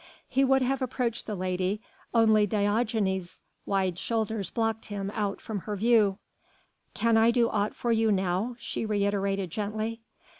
He would have approached the lady, only Diogenes' wide shoulders blocked him out from her view. "Can I do aught for you now?" she reiterated gently.